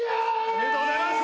おめでとうございます。